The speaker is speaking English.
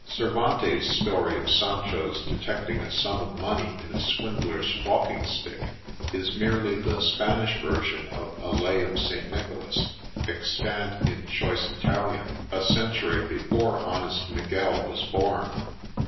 Cervantes' story of Sancho's detecting a sum of money in a swindler's walking Btick, ia merely the Spanish version of a ' Lay of St. Nicholas,' extant ' in choice Italian ' a century before honesi Miguel was born.